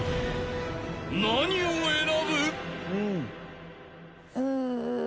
［何を選ぶ？］